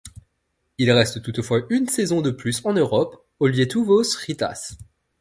Il reste toutefois une saison de plus en Europe, au Lietuvos rytas.